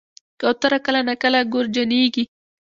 کوتره کله ناکله ګورجنیږي.